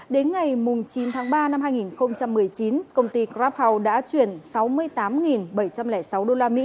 đến ngày chín tháng ba năm hai nghìn một mươi chín công ty grab house đã chuyển sáu mươi tám bảy trăm linh sáu usd